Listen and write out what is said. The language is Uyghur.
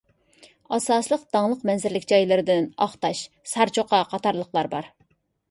ئاساسلىق داڭلىق مەنزىرىلىك جايلىرىدىن ئاقتاش، سارچوقا قاتارلىقلار بار.